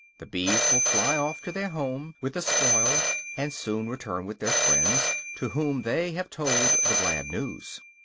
The bees will fly off to their home with the spoil, and soon return with their friends, to whom they have told the glad news.